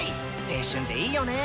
青春っていいよね。